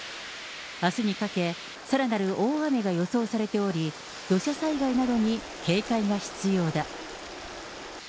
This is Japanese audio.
あすにかけ、さらなる大雨が予想されており、土砂災害などに警戒が必要だ。